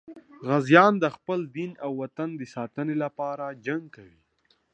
غازیان د خپل دین او وطن د ساتنې لپاره جنګ کوي.